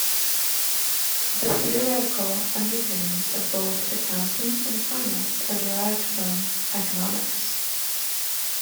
The theoretical underpinnings of both accounting and finance are derived from economics.